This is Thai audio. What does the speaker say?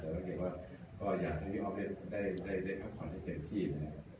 แต่ก็เกลียดว่าก็อยากให้พี่ออฟได้ได้ได้ได้ขอให้เต็มที่นะฮะ